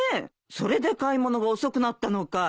それで買い物が遅くなったのかい？